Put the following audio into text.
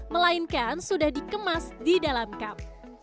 melainkan sudah dikemas di dalam kam